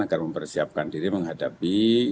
agar mempersiapkan diri menghadapi